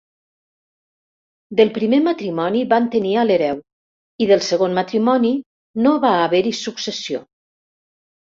Del primer matrimoni van tenir a l'hereu, i del segon matrimoni no va haver-hi successió.